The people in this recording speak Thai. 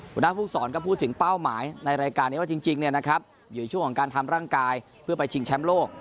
หัวหน้าภูมิสอนก็พูดถึงเป้าหมายในรายการนี้ว่าจริงอยู่ในช่วงของการทำร่างกายเพื่อไปชิงแชมป์โลก